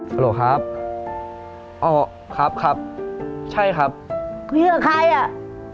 โหลครับอ๋อครับครับใช่ครับคุยกับใครอ่ะ